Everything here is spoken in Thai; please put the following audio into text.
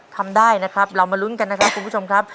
ทำได้นะครับเรามาลุ้นกันนะครับคุณผู้ชมครับ